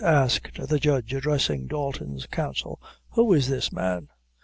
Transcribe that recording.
asked the judge, addressing Dalton's counsel; "who is this man?"